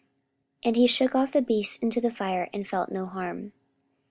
44:028:005 And he shook off the beast into the fire, and felt no harm.